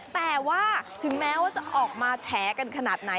แต่ว่าถึงแม้ว่าจะออกมาแฉกันขนาดไหน